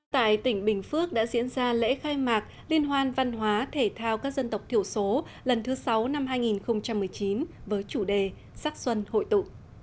tại tỉnh bình phước đã diễn ra lễ khai mạc liên hoan văn hóa thể thao các dân tộc thiểu số lần thứ sáu năm hai nghìn một mươi chín với chủ đề sắc xuân hội tụ